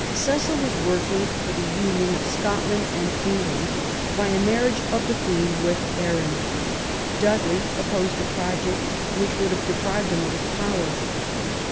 Cecil was working for the union of Scotland and England by a marriage of the Queen with Arran : Dudley opposed a project which would have deprived him of his power.